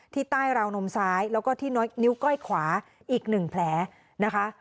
ใต้ราวนมซ้ายแล้วก็ที่นิ้วก้อยขวาอีก๑แผลนะคะ